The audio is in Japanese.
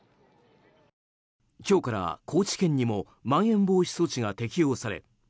今日から高知県にもまん延防止措置が適用され